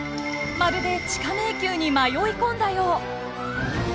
まるで地下迷宮に迷い込んだよう。